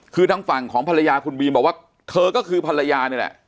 คือทางฝั่งของภรรยาคุณบีมบอกว่าเธอก็คือภรรยานี่แหละ